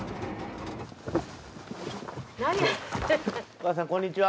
お母さんこんにちは。